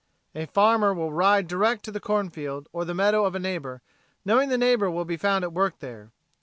A farmer will ride direct to the cornfield or the meadow of a neighbor, knowing the neighbor will be found at work there.